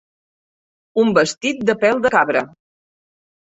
Un vestit de pèl de cabra.